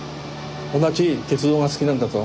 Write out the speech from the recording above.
同じ鉄道が好きなんだと。